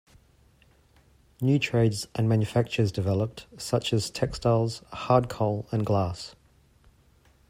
New trades and manufactures developed, such as textiles, hard coal and glass.